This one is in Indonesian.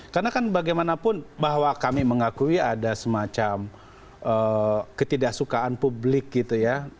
karena kan bagaimanapun bahwa kami mengakui ada semacam ketidaksukaan publik gitu ya